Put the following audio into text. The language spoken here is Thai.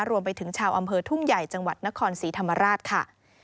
รวมไปถึงชาวอำเภอทุ่งใหญ่จังหวัดนครศรีธรรมราชค่ะ